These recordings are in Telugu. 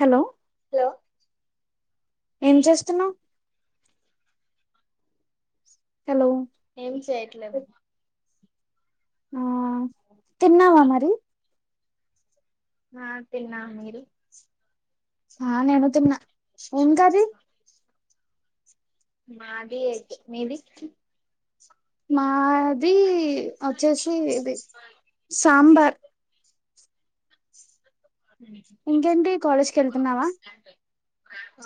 హలో హలో ఏం చేస్తున్నావు హలో ఏం చేయట్లేదు ఆ తిన్నావా మరి నా తిన్నా మీరు ఆ నేను తిన్న ఏం కర్రి మాది ఎగ్ మీది మాది వచ్చేసి ఇది సాంబార్ ఇంకేంటి కాలేజ్ కి వెళ్తున్నావా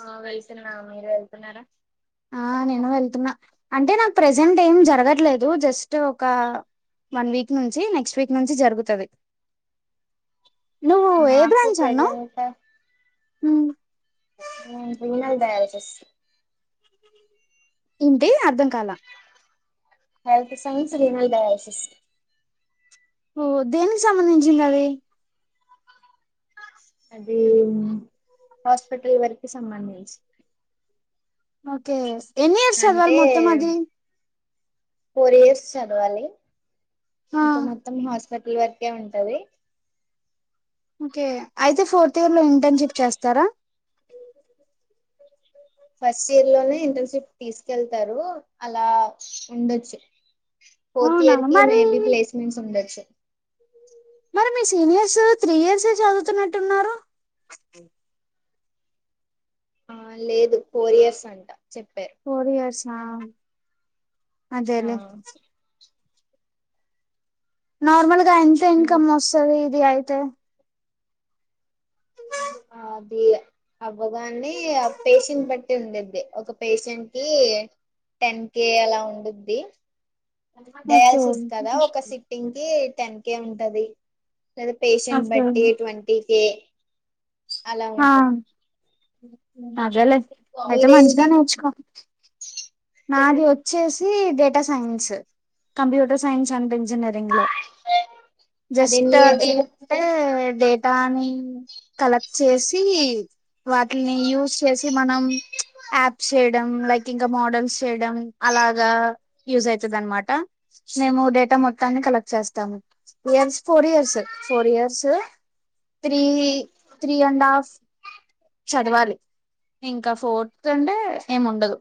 ఆ వెళ్తున్నా మీరు వెళ్తున్నారా ఆ నేను వెళ్తున్నా అంటే నాకు ప్రజెంట్ ఏం జరగట్లేదు జస్ట్ ఒక వన్ వీక్ నుంచి నెక్స్ట్ వీక్ నుంచి జరుగుతది నువ్ ఏ నాకు బ్రాంచ్ అన్నవ్ ప్రజెంట్ ఉ నేన్ రీనల్ డయాలసిస్ ఉ ఇంతె అర్ధం కాల హెల్త్ సైన్స్ రీనాల్ డయాలసిస్ ఓ దేనికి సంబంధించింది అది అది హాస్పిటల్ వరకి సంబంధించి ఓకే ఎన్ని ఇయర్స్ అంటే చదవల్ మొత్తం అది ఫోర్ ఇయర్స్ చదవాలి ఆ ఇంకా మొత్తం హాస్పి కట్ల్ వరకే ఉంటది ఓకే అయితే ఫోర్త్ ఇయర్ లో ఇంటర్న్షిప్ చేస్తారా? ఫస్ట్ ఇయర్ లోనే ఇంటర్న్షిప్ తీసుకెళ్తారు. అలా ఉండొచ్చు ఫోర్త్ అవునా ఇయర్ కి మరి మేబి ప్లేస్మెంట్స్ ఉండొచ్చు. మరి మీ సీనియర్స్ త్రీ ఇయర్సే చదువుతున్నట్టున్నారు. ఆ లేదు ఫోర్ ఇయర్స్ అంట చెప్పారు. ఫోర్ ఇయర్సా ఆ అదేలే. నార్మల్ గా ఎంత ఇన్కమ్ వస్తాది ఇది అయితే అది అవ్వగానే పేషెంట్ బట్టి ఉండుద్ది. ఒక పేషెంట్ కి టెన్ కే అలా ఉండుద్ది. ఓకే డయాల్సిస్ కదా ఓకే ఒక సిక్స్ టింగ్ కి టెన్ కే ఉంటాది లేదా పేషెంట్ బట్టి ట్వంటీ కే అలా ఆ ఉంటాది. అదేలే అయితే మీరేంటి మంచిగానే నేర్చుకో నాది వచ్చేసి data science computer science and engineering లో జస్ట్ అదెన్ని ఇయర్స్ అంటే డేటాని కలెక్ట్ చేసి వాటిని యూజ్ చేసి మనం యాప్స్ చేయడం లైక్ ఇంకా మోడల్స్ చేయడం అలాగా యూస్ అయితాది అన్నమాట. మేము డేటా మొత్తాన్ని కలెక్ట్ చేస్తాము. Years four years four years. Three three and half చదవాలి ఇంకా ఫోర్త్ అంటే ఏం ఉండదు.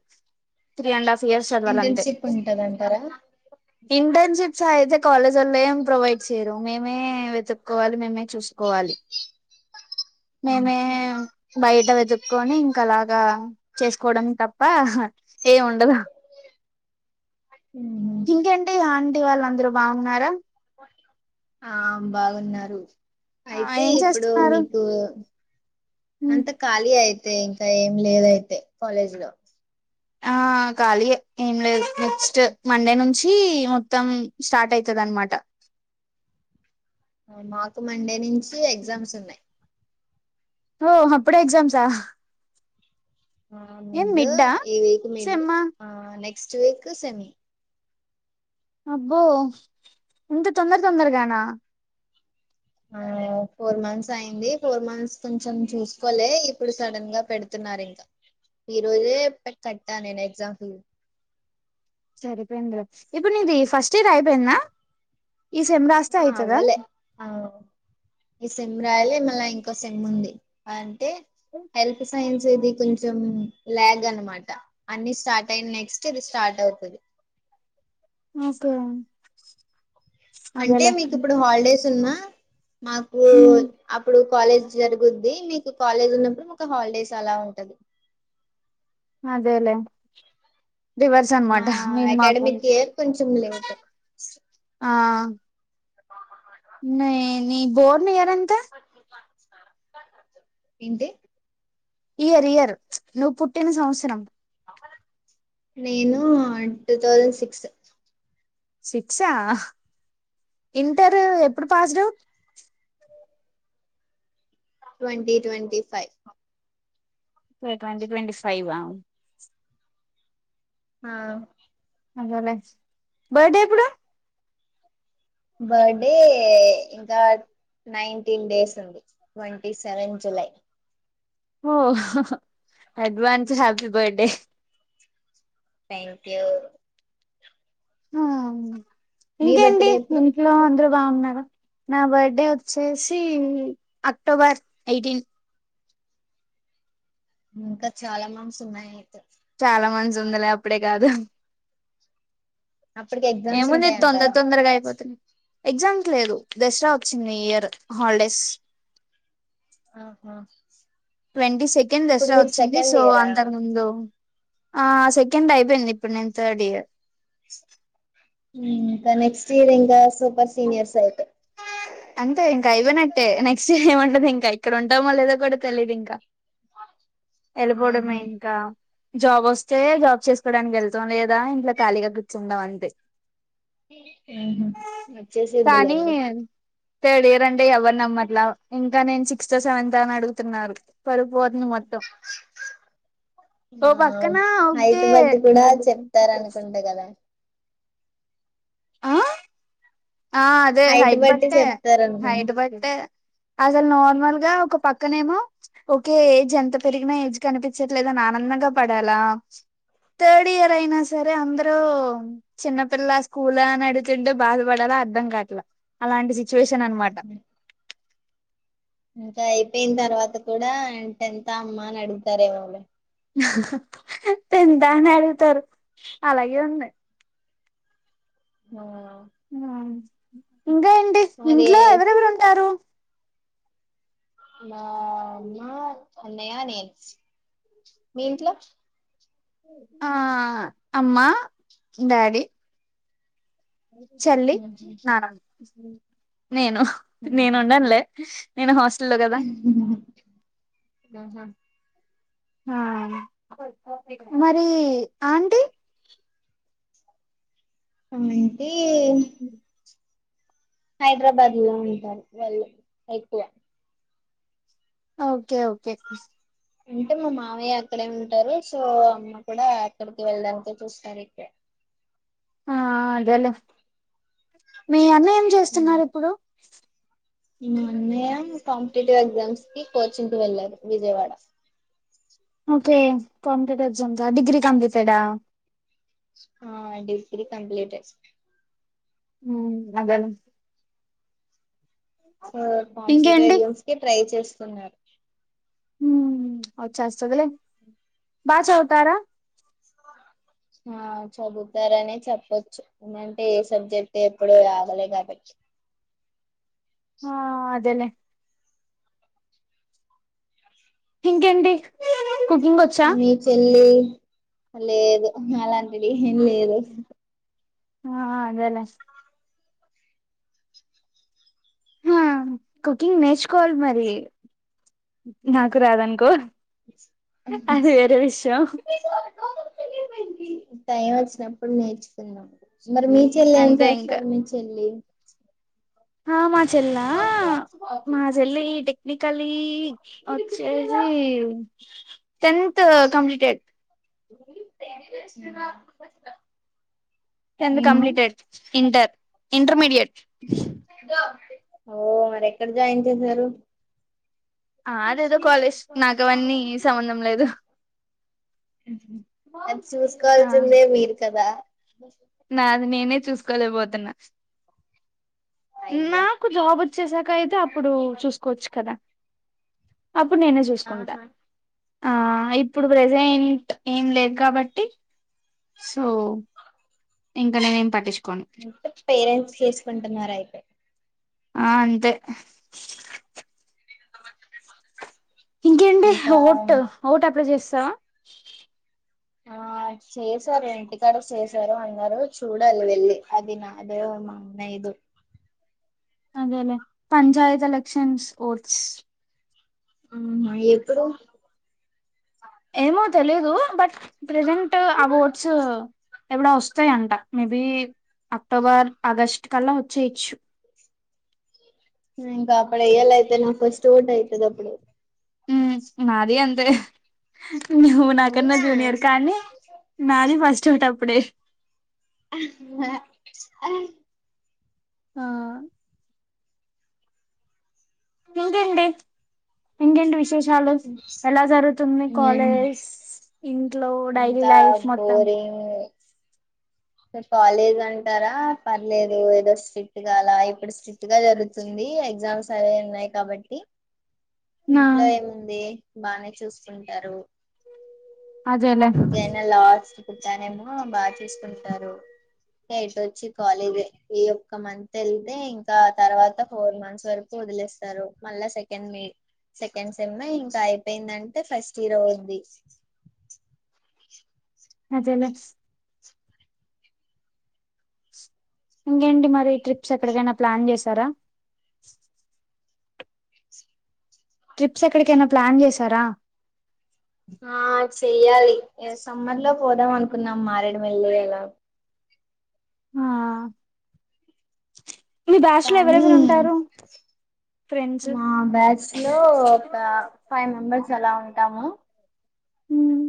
త్రీ అండ్ హాఫ్ ఇయర్స్ చదవాల అంతే. ఇంటర్న్షిప్ ఉంటదంటారా ఇంటర్న్షిప్స్ అయితే కాలేజ్ వాళ్ళు ఏం ప్రొవైడ్ చేయరు మేమే వెతుక్కకోవాలి మేమే చూసు కోవాలి మేమే బయట వెతుక్కొని ఇంకా అలాగా చేసుకోవడం తప్ప ఏ ఉండదు. ఊహు ఇంకేంటి ఆంటీ వాళ్ళు అందరూ బాగున్నారా? ఆ బాగున్నారు. ఆ అయితే ఏం ఇప్పుడు చేస్తున్నారు మీకు అంత ఖాళీ అయితే ఇంకా ఏం లేదయితే కాలేజ్ లో ఆ ఖాళీయే ఏం లేదు నెక్స్ట్ మండే నుంచి మొత్తం స్టార్ట్ అవుతాది అన్నమాట. మాకు మండే నుంచి ఎగ్జామ్స్ ఉన్నాయి. ఓ! అప్పుడే ఎగ్జామ్సా ఆ ఏం మిడ్ మిడ్డా ఈ వక్ మిడ్ సెమ్మా ఆ నెక్స్ట్ వీక్ సెమ్ అబ్బో ఇంత తొందర తొందరగానా? ఆ ఫోర్ మంత్స్ అయింది. ఫోర్ మంత్స్ కొంచెం చూసుకోలే ఇప్పుడు సడన్ గా పెడుతున్నారు ఇంకా ఈ రోజే కట్టా నేను ఎగ్జాం సరిపోయింది లే. ఇప్పుడు నీది ఫస్ట్ ఇయర్ అయిపోయిందా ఈ సెమ్ రాస్తే అయితాదా? అదేలే ఈ సెమ్ రాయాలి. మళ్ళా ఇంకో సెమ్ ఉంది. అంటే హెల్త్ సైన్స్ ఇది కొంచం కొంచెం ల్యాగ్ అన్నమాట అన్నీ స్టార్ట్ అయిన నెక్స్ట్ ఇది స్టార్ట్ అవుతుంది. ఇంకా అంటే మీకు ఇప్పుడు హాలిడేస్ ఉన్నా మాకు ఉమ్, అప్పుడు కాలేజ్ జరుగుద్ది. మీకు కాలేజ్ ఉన్నప్పుడు మాకు హాలిడేస్ అలా ఉంటాది. అదేలేే డివర్స్ అన్మాట మా మీన్ మాకు అకాడమిక్ ఇయర్ కొంచెం లేట్ ఆ... ఎ కామన్ రాయ్ నే నీ బోర్న్ ఇయర్ ఎంత? ఏంటి? ఇయర్ ఇయర్ నువ్ పుట్టిన సంవత్సరం. నేను అన్ టూ థౌజండ్ సిక్స్. సిక్సా ఇంటర్ ఎప్పుడు పాస్డ్ ట్వంటీ ట్వంటీ ఫైవ్. వె ట్వంటి ట్వంటి ఫైవా ఆ బర్త్డే ఎప్పుడు? బర్త్డే ఇంకా నైన్టీన్ డేస్ ఉంది. Twenty seven July. ఓ advance happy birthday thank you మీ ఇంకేంటి బర్త్డే ఎప్పుడు ఇంట్లో అందరు బాగున్నారు, నా బర్త్డే వచ్చేసీ అక్టోబర్ ఎయిటీన్ ఇంకా చాలా మంత్స్ ఉన్నాయి అయితే చాలా మంత్స్ ఉందలే అప్పుడే కాదు. అప్పడు కేక్ ఏముంది తొందర్ తొందర్గ అయిపోత ఎగ్జామ్క్ లేదు దసరా వచ్చింది ఈ ఇయర్ హాల్డేస్. ఆహా! ట్వంటీ సెకండ్ ఇప్పుడు దసరా మీరు వచ్చింది సెకండ్ సో ఇయరా అంతక్ ముందు ఆ సెకండ్ అయిపోయింది ఇప్పుడ్ నేన్ థర్డ్ ఇయర్. ఇంక నెక్స్ట్ ఇయర్ ఇంకా సూపర్ సీనియర్స్ అయితే అంతే ఇంక అయిపోయినట్టే నెక్స్ట్ ఇయర్ ఏమంటది ఇంక ఇక్కడ ఉంటమో లేదో కూడా తెలీద్ ఇంకా. ఎళ్ళిపోవడమే ఆహా ఇంకా జాబ్ వస్తే జాబ్ చేస్కోవడానికి వెళ్తాం లేదా ఇంట్ల ఖాళీగా కూర్చుంటం అంతే ఊహూ కానీ వచ్చేసిద్దిలేండి థర్డ్ ఇయర్ అంటే ఎవల్ నమ్మట్ల ఇంకా నేన్ సిక్స్త్, సెవెన్త్ అని అడుగుతున్నారు. పరువు పోతుంది మొత్తం. ఓ ఆ పక్కన హైట్ ఓకే బట్టి కుడా చెప్తారనుకుంట కదా ఆ అదే హైట్ బట్టి బట్టే చెప్తారు అనుకున్నా హైట్ బట్టే అసల్ నార్మల్గా ఒక పక్కనేమో ఓకే ఏజ్ ఎంత పెరిగినా ఏజ్ కనిపించట్లేదన్ ఆనందంగా పడాలా థర్డ్ ఇయర్ అయినా సరే అందరూ చిన్నపిల్ల స్కూలా అన్ అడుగుతుంటే బాధ పడాల అర్థం కాట్లా అలాంటి సిచ్యువేషన్ అన్మాట. ఆహా ఇంకా అయిపోయిన తర్వాత కూడా టెన్తా అమ్మ అన్ అడుగుతారేమోలె టెన్తా అని అడుగుతారు అలాగే ఉంది. ఆ ఇంకా ఏంటి మరి ఇంట్లో ఎవరెవర్ ఉంటారు? అన్నయ్య నేను, మీ ఇంట్లో? ఆ అమ్మ డాడి చెల్లి నానమ్మ నేను నేను ఉండనులే నేను హాస్టల్లో కదా ఆహా ఆ మరి ఆంటీ ఆంటీ హైదరాబాద్ లో ఉంటారు వాళ్ళు ఎక్కువ ఓకే ఓకే అంటే మా మావయ్య అక్కడే ఉంటారు సో అమ్మ కూడా అక్కడికి వెళ్ళడానికే చూస్తారు ఇక్కడ ఆ అదేలె మీ అన్న ఏం చేస్తున్నారు ఇప్పుడు మా అన్నయ కాంపిటేటివ్ ఎగ్జామ్స్ కి కోచింగ్ కు వెళ్ళారు విజయవాడ ఓకే కంప్యూటర్స్ అంతా డిగ్రీ కంప్లీటెడ్డ ఆ డిగ్రీ కంప్లీటెడ్ మ్మ్ అదేలే సో కాంపిటేటివ్ ఇంకేంటి ఎగ్జామ్స్ కి ట్రై చేస్తున్నారు మ్మ్ వచ్చేస్తది లే బా చదువుతారా ఆ చదువుతారనే చెప్పచ్చు అంటే సబ్జెక్ట్ ఎప్పుడు ఆగలే కాబట్టి ఆ అదేలే ఇంకేంటి కుకింగ్ వచ్ నీ చెల్లి లేదు అలాంటిది ఏం లేదు ఆ అదేలే ఆ కుకింగ్ నేర్చుకోవాలి మరి నాకు రాదనుకో అది వేరే విషయంం టైం వచ్చినప్పుడు నేర్చుకున్నాం మరి మీ చెల్లి ఏం అంతే ఇంకా చేస్తారు మీ చెల్లి ఆ మా చెల్లా మా చెల్లి టెక్నికల్లి వచ్చేసి టెంత్ కంప్లీటెడ్ ఆ టెంత్ కంప్లీటెడ్ ఇంటర్ ఇంటర్మీడియట్ ఓ మరి ఎక్కడ జాయిన్ చేసారు ఆ అదేదో కాలేజ్ నాకు అవన్నీ సంబంధం లేదు మ్మ్ హు అది ఆ చూసుకోవాల్సిందే మీరు కదా నాది నేనే చూసుకోలేకపోతున్నా అయ్యా నాకు జాబ్ వచ్చేసాక అయితే అప్పుడు చూసుకోవచ్చు కదా అప్పుడు నేనే చూసుకుంటా ఆహా ఆ ఇప్పుడు ప్రెజెంట్ ఏం లేదు కాబట్టి సో ఇంకా నేనేం పట్టించుకోను అంటే పేరెంట్స్ చూసుకుంటున్నారు అయితే ఆ అంతే ఇంకేంటి ఓట్ ఇంకా ఓట్ అప్లై చేసేసావ ఆ చేశారు ఇంటికాడ చేశారు అన్నారు చూడాలి వెళ్ళి అది నా అదే మానే ఐదు అదేలేే పంచాత్ ఎలక్షన్స్ ఓట్స్ ఆహా ఎప్పుడు ఏమో తెలిదు బట్ ప్రెజెంట్ ఆ ఓట్స్ [unintelligible] వస్తాయంట మేబి అక్టోబర్ ఆగస్ట్ కల్ల వచ్చేయచ్చు ఇ ఇంక అప్పుడే [unintelligible] అయితే నావ్ ఫస్ట్ ఓటు అయితది అప్పుడు నాది అంతే నువ్వు నాకన్న అవునా జూనియర్ కానీ నాది ఫస్ట్ ఓట్ అప్పుడే ఆ ఆ ఇంకేంటి ఇంకేంటి విష్ శేషాలు ఎలా జరుగుతుంది మీ ఏం కాలేజ్ ఇంట్లో డైలీ అంతా లైఫ్ మొత్తం మీ కాలేజ్ అంటార పర్లేదు ఏదో స్ట్రిట్ కాల ఇప్పుడు [unintelligible] గా జరుగుతుంది ఎగ్జామ్స్ అవే ఉన్నాయ్ కాబట్టి నా ఇంట్లో ఏముంది బానే చూసుకుంటారు అదేలే ఇంకైన లాస్ట్ పుట్టనేమో బా చసుకుంటారు [unintelligible] కాలేజే ఈ ఒక్క మంత్ వెళ్తే ఇంకా తర్వాత ఫోర్ మంత్స్ వరకు వదిలేస్తారు మళ్ళా సెకండ్ మే సెకండ్ సెమ్మె ఇంక అయిపోయిందంటే ఫస్ట్ ఇయర్ అవుద్ది అదేలే ఇంకేంటి మరి ట్రిప్స్ ఎక్కడికైన ప్లాన్ చేసార ట్రిప్స్ ఎక్కడికైన ప్లాన్ చేశార ఆ చెయ్యాలి సమ్మర్ లో పోదాం అనుకున్నాం మారేడు [unintelligible] ఎలా ఆ మీ బ్యాచ్ కానీ లోఎవరెవరు ఉంటారు ఫ్రెండ్స్ మా బ్యాచ్ లో ఒక ఫైవ్ మెంబర్స్ అల ఉంటాము ఉమ్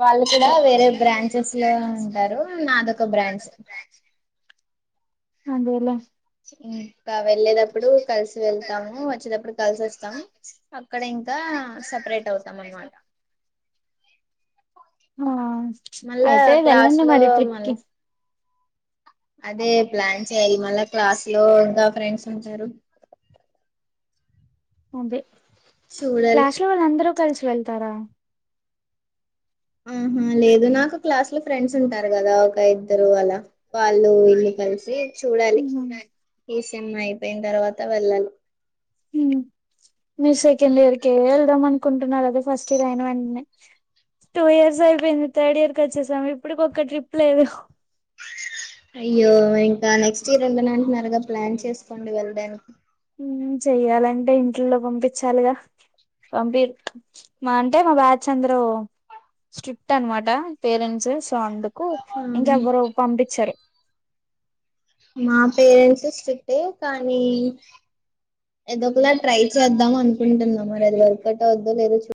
వాళ్ళు కూడ వేరే బ్రాంచెస్ లో ఉంటారు నాదొక బ్రాంచ్ అదేలే ఇంక వెళ్ళేటప్పుడు కలిసి వెళ్తాము వచ్చేటప్పుడు కల్సి వస్తాం అక్కడ ఇంక సపరేట్ అవుతాం అనమాట ఆ మళ్ళా అయితే క్లాస్ వెళ్ళండి లో మరి మళ్ళ ట్రిప్కి అదే ప్లాన్ చేయాలి మళ్ళా క్లాస్ లో ఇంకా ఫ్రెండ్స్ ఉంటారు అదే చూడల్ ఇంట్లో వాళ్ళు అందరు కలిసి వెళ్తారా ఆహా లేదు నాకు క్లాస్ లో ఫ్రెండ్స్ ఉంటారు కదా ఒక ఇద్దరు అల వాళ్ళు వీళ్ళు కలిసి చూడాలి ఉమ్ [unintelligible] అయిపోయిన తర్వాత వెళ్ళాలి మీరు సెకండ్ ఇయర్ కి వెళ్దాం అనుకుంటున్నారు అదే ఫస్ట్ ఇయర్ అయిన [unintelligible] టూ ఇయర్స్ అయిపోయింది థర్డ్ ఇయర్ కి వచ్చేసాము ఇప్పుడు కి ఒక్క ట్రిప్ లేదు అయ్యో ఇంకా నెక్స్ట్ ఇయర్ [unintelligible] నాంటన్నరగా ప్లాన్ చేసుకోండి వెళ్ళడానికి చెయ్యాలంటే ఇంట్లో పంపించాలిగ పంపి మా అంటే మా బ్యాచ్ అందరూ స్ట్రిక్ట్ అనమాట పేరెంట్స్ సో అందుకు ఆ, ఇంక ఎవ్వరు పంపిచరు మా పేరెంట్స్ స్ట్రిక్టే కానీ ఏదో ఒకల ట్రై చేద్దాం అనుకుంటున్నా మరి అది వర్క్ [unintelligible] లేదో